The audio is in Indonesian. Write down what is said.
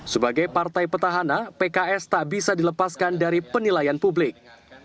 sebagai partai petahana pks tak bisa dilepaskan dari penilaian publik